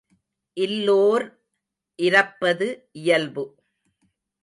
இல்லோர் இரப்பது இயல்பு.